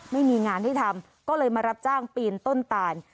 ไม่มีงานให้ทำก็เลยมารับจ้างปีนต้นตาล